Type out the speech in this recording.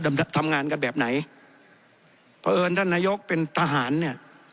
ทำงานกันแบบไหนเพราะเอิญท่านนายกเป็นทหารเนี่ย